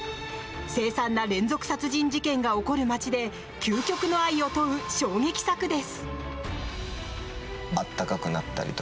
せい惨な連続殺人事件が起こる街で究極の愛を問う衝撃作です。